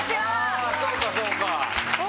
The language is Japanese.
あぁそうかそうか！